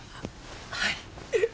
はい。